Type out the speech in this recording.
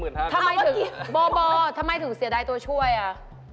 เบาเบาทำไมถึงเสียดายตัวช่วยอ่ะ